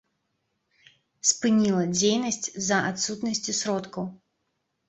Спыніла дзейнасць з-за адсутнасці сродкаў.